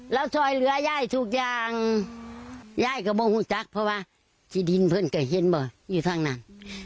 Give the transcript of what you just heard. แล้วช่วยเหลือยายทุกอย่างยายก็ไม่รู้จักเพราะว่าที่ดินเพื่อนก็เห็นบ่อยู่ทางนั้น